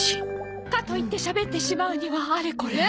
かといってしゃべってしまうにはあれこれ。